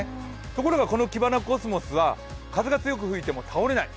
ところが、このキバナコスモスは風が強く吹いても倒れない。